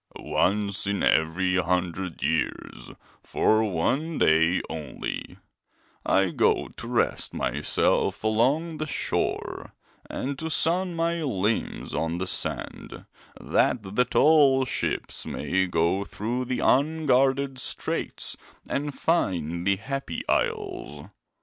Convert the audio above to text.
'Once in every hundred years, for one day only, I go to rest myself along the shore and to sun my limbs on the sand, that the tall ships may go through the unguarded Straits and find the Happy Isles.